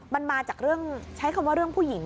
มันมาจากเรื่องใช้คำว่าเรื่องผู้หญิง